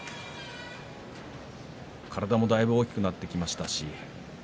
体もだいぶ大きくなってきました。